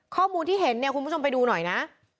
ข้อมูลที่เห็นเนี่ยคุณผู้ชมไปดูหน่อยนะ